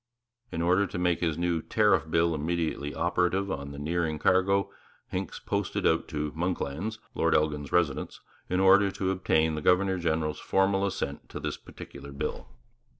In order to make his new Tariff Bill immediately operative on the nearing cargo, Hincks posted out to 'Monklands,' Lord Elgin's residence, in order to obtain the governor general's formal assent to this particular bill.